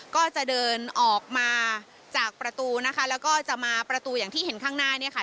ก็จะเดินออกมาจากประตูแล้วก็จะมาประตูอย่างที่เห็นข้างหน้า